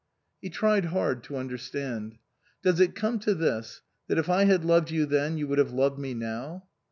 He tried hard to understand. " Does it come to this that if I had loved you then you would have loved me now?"